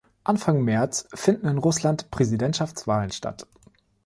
Anfang März finden in Russland Präsidentschaftswahlen statt.